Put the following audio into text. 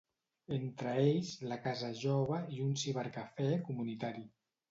Entre ells la casa Jove i un cibercafè comunitari.